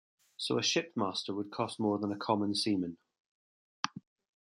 So a ship master would cost more than a common seaman.